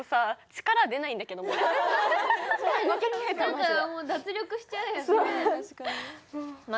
なんかもう脱力しちゃうよね。